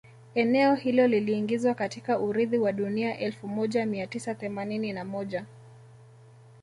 Eneo hilo liliingizwa katika urithi wa dunia elfu moja mia tisa themanini na moja